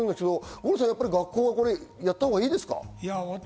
五郎さん、学校はやったほうがいいですか？